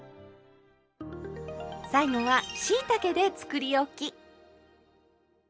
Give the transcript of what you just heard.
最後はしいたけでつくりおき。